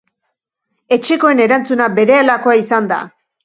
Etxekoen erantzuna berehalakoa izan da.